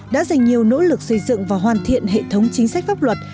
đã dành nhiều nỗ lực xây dựng và hoàn thiện hệ thống chính sách pháp luật